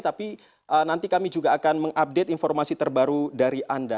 tapi nanti kami juga akan mengupdate informasi terbaru dari anda